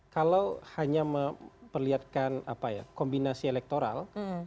kalau hanya memperlihatkan kombinasi elektoral